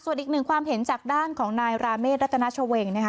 ส่วนอีกหนึ่งความเห็นจากด้านของนายราเมฆรัตนาชเวงนะคะ